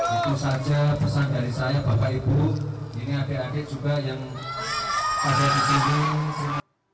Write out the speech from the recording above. itu saja pesan dari saya bapak ibu ini adik adik juga yang ada di sini